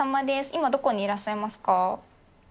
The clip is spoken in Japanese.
今、どこにいらっしゃいますか？